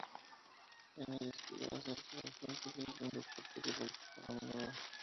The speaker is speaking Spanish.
En ella escribía acerca del frontenis, un deporte que practicaba a menudo.